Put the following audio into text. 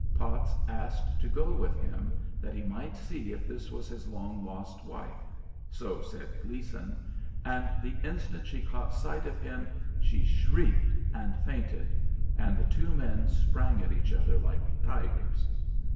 Potts asked to go with him that he might see if this was his long lost wife, so said Gleason, and the instant she caught sight of him she shrieked and fainted, and the two men sprang at each other like tigers.